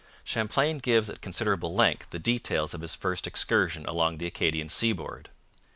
Champlain gives at considerable length the details of his first excursion along the Acadian seaboard.